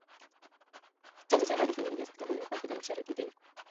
Chanzo cha habari hii ni gazeti la Mwana Afrika Mashariki, Kenya